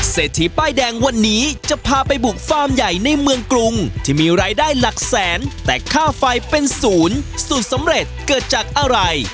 เศรษฐีป้ายแดงวันนี้จะพาไปบุกฟาร์มใหญ่ในเมืองกรุงที่มีรายได้หลักแสนแต่ค่าไฟเป็นศูนย์สูตรสำเร็จเกิดจากอะไร